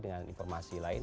dengan informasi lain